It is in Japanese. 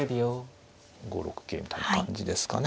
５六桂みたいな感じですかね。